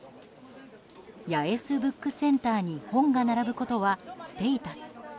八重洲ブックセンターに本が並ぶことはステータス。